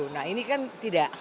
nah ini kan tidak